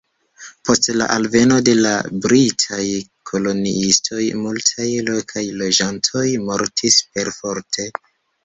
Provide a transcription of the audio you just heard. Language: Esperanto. Post la alveno de la britaj koloniistoj, multaj lokaj loĝantoj mortis perforte.